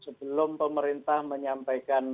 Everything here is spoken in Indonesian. sebelum pemerintah menyampaikan